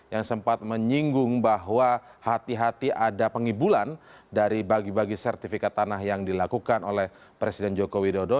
yang sempat menyinggung bahwa hati hati ada pengibulan dari bagi bagi sertifikat tanah yang dilakukan oleh presiden joko widodo